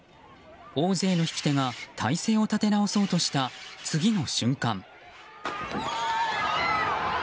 大勢の引き手が体勢を立て直そうとした次の瞬間。